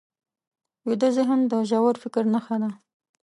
ویده ذهن د ژور فکر نښه ده